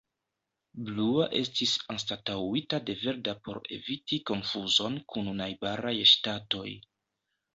Blua estis anstataŭita de verda por eviti konfuzon kun najbaraj ŝtatoj.